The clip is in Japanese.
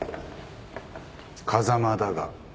風間だが。